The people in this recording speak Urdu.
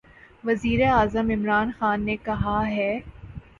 وزیراعظم عمران خان نے کہا ہے